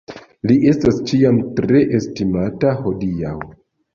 Li estas ĉiam tre estimata hodiaŭ.